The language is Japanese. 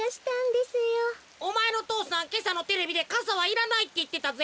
おまえの父さんけさのテレビでかさはいらないっていってたぜ。